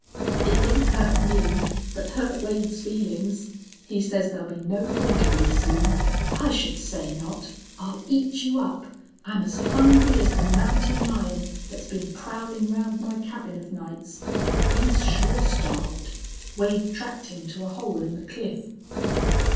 It didn't hurt me, but hurt Wade's feelings. He says there'll be no holding me soon. I should say not. I'll eat you up. I'm as hungry as the mountain lion that's been prowling round my cabin of nights. He's sure starved. Wade tracked him to a hole in the cliff.